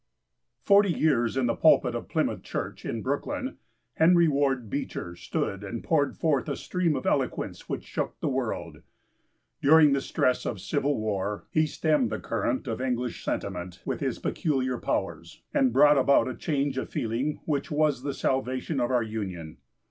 Forty years in the pulpit of Plymouth Church in Brooklyn Henry Ward Beecher stood and poured forth a stream of eloquence which shook the world. During the stress of civil war he stemmed the current of English sentiment with his peculiar powers and brought about a change of feeling which was the salvation of our Union.